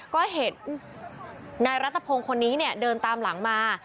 ก็เห็นนายรัฐตะพงคนนี้เนี่ยเดินตามหลังมา